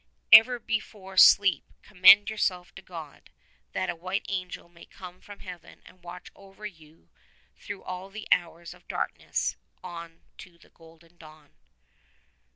Ever before sleep commend yourself to God, that a white angel may come from Heaven and watch over you through all the hours of darkness on to the golden dawn."